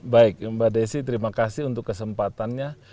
baik mbak desi terima kasih untuk kesempatannya